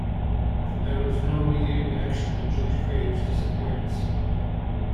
There was no immediate reaction to Judge Crater's disappearance.